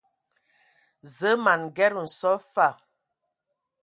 Zǝə ma n Nged nso fa.